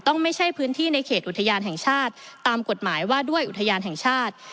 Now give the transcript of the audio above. ไม่ใช่พื้นที่ในเขตอุทยานแห่งชาติตามกฎหมายว่าด้วยอุทยานแห่งชาติ